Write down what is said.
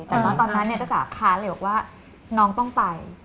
แต่ตอนนั้นจ๋าค้าเลยบอกว่าน้องต้องไป